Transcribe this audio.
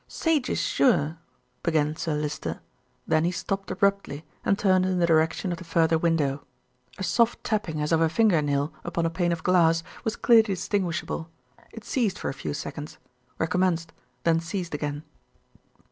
"Sage is sure " began Sir Lyster; then he stopped abruptly, and turned in the direction of the further window. A soft tapping as of a finger nail upon a pane of glass was clearly distinguishable. It ceased for a few seconds, recommenced, then ceased again.